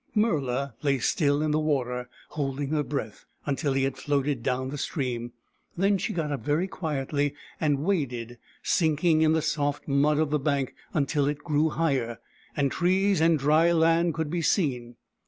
Murla lay still in the water, holding her breath, until he had floated downi the stream. Then she got up very quietly and waded, sinking in the soft mud of the bank until it grew higher, and trees and dry land could be seen.